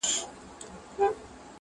o د مار بچی مار وي!